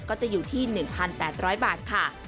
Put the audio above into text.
ก็จะอยู่ที่๑๘๐๐บาทค่ะ